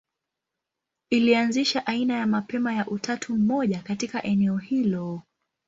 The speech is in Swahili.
Ilianzisha aina ya mapema ya utatu mmoja katika eneo hilo.